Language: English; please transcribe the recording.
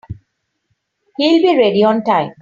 He'll be ready on time.